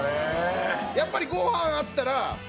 やっぱりご飯あったら。